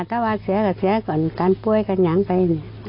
ก้าส่าชริ